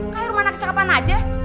kayaknya rumana kecapekan aja